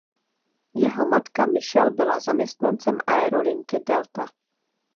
Jeho matka Michelle byla zaměstnancem aerolinky Delta.